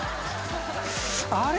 あれ？